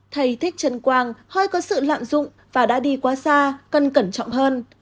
thầy thích trân quang hơi có sự lạm dụng và đã đi quá xa cần cẩn trọng hơn